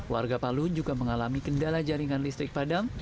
warga palu juga mengalami kendala jaringan listrik padam